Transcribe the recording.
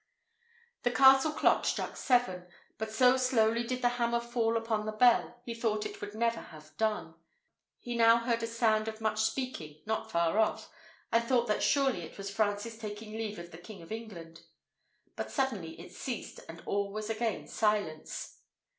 The castle clock struck seven; but so slowly did the hammer fall upon the bell, he thought it would never have done. He now heard a sound of much speaking not far off, and thought that surely it was Francis taking leave of the King of England; but suddenly it ceased, and all was again silence.